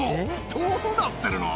どうなってるの？